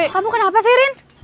kamu kenapa sih rin